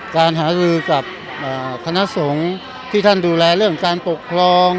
การหารือกับคณะสงฆ์ที่ท่านดูแลเรื่องการปกครอง